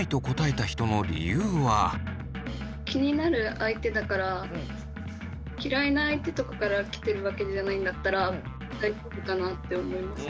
一方嫌いな相手とかから来てるわけじゃないんだったら大丈夫かなって思いました。